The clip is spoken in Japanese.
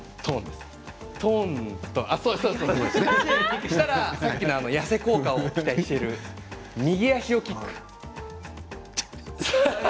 そうしたらさっきの痩せ効果が期待できる右足をキック。